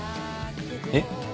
えっ？